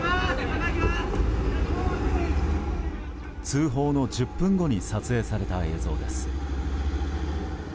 通報の１０分後に撮影された映像です。